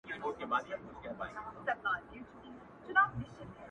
نو ځکه هغه ته پرده وايو.